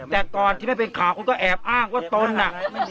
แต่ก่อนที่ไม่เป็นข่าวคุณก็แอบอ้างว่าตนน่ะ